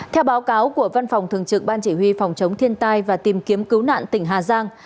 theo báo cáo của văn phòng thường trực ban chỉ huy phòng chống thiên tai và tìm kiếm cứu nạn tỉnh hà giang